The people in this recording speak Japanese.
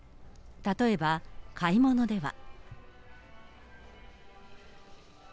例えば、買い物では。